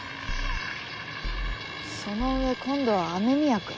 その上今度は雨宮くん？